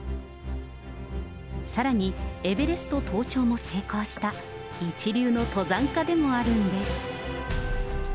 さらにエベレスト登頂も成功した、一流の登山家でもあるんです。